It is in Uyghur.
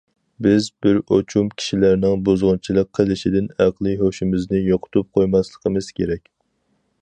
بىز بىر ئوچۇم كىشىلەرنىڭ بۇزغۇنچىلىق قىلىشىدىن ئەقلى- ھوشىمىزنى يوقىتىپ قويماسلىقىمىز كېرەك.